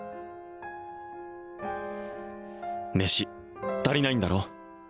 飯足りないんだろ？